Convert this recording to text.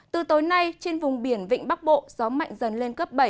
từ tối nay trên vùng biển vịnh bắc bộ gió mạnh dần lên cấp bảy